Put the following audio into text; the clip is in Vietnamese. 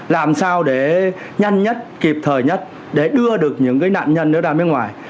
làm sao để nhanh nhất kịp thời nhất để đưa được những cái nạn nhân đó ra mấy ngoài